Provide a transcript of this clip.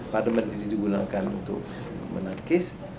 parlemen itu digunakan untuk menangkis